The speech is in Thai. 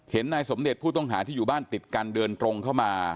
นายสมเด็จผู้ต้องหาที่อยู่บ้านติดกันเดินตรงเข้ามา